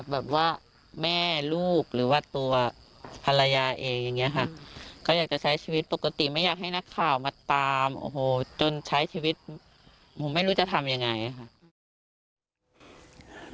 แบบว่าแม่ลูกหรือว่าตัวภรรยาเองอย่างนี้ค่ะก็อยากจะใช้ชีวิตปกติไม่อยากให้นักข่าวมาตามโอ้โหจนใช้ชีวิตผมไม่รู้จะทำยังไงค่ะ